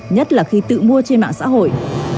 nhất là khi tự mua trên mạng xã hội